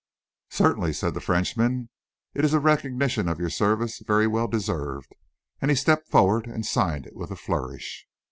"Certainly," said the Frenchman; "it is a recognition of your services very well deserved," and he stepped forward and signed it with a flourish.